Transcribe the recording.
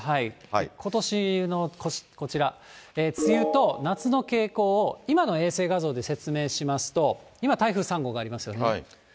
ことしのこちら、梅雨と夏の傾向を、今の衛星画像で説明しますと、今、台風３号がありますよね。